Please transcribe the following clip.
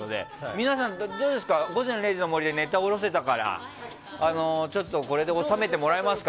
皆さん、「午前０時の森」でネタを下ろせたからこれでおさめてもらえますか？